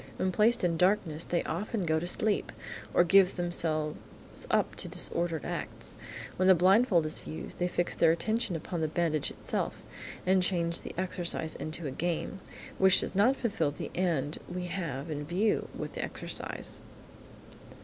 When placed in darkness, they often go to sleep, or give themselves up to disordered acts. When the blindfold is used, they fix their attention upon the bandage itself, and change the exercise into a game, which does not fulfil the end we have in view with the exercise.